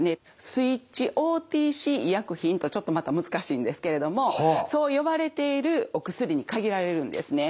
スイッチＯＴＣ医薬品とちょっとまた難しいんですけれどもそう呼ばれているお薬に限られるんですね。